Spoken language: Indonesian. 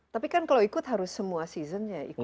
tapi kan kalau ikut harus semua season ya